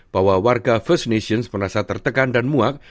bahwa warga first missions merasa tertekan dan muak